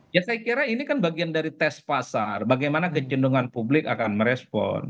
ya saya kira ini kan bagian dari tes pasar bagaimana kejendengan publik akan merespon